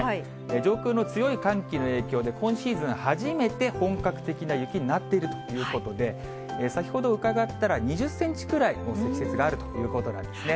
上空の強い寒気の影響で、今シーズン初めて、本格的な雪になっているということで、先ほど伺ったら、２０センチくらいもう積雪があるということなんですね。